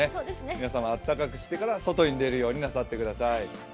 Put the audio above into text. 皆さんもあったくしてから外に出るようにしてください。